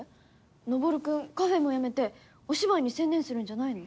のぼるくんカフェもやめてお芝居に専念するんじゃないの？